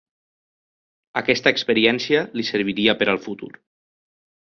Aquesta experiència li serviria per al futur.